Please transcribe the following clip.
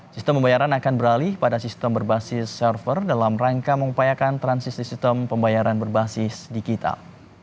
sistem pembayaran akan beralih pada sistem berbasis server dalam rangka mengupayakan transisi sistem pembayaran berbasis digital